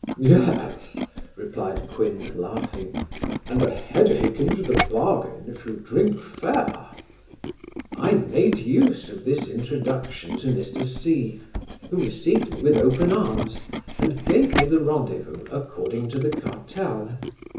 'Yes (replied Quin, laughing); and a headake into the bargain, if you drink fair.' I made use of this introduction to Mr C , who received me with open arms, and gave me the rendezvous, according to the cartel.